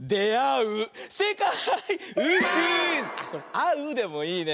「あう」でもいいね。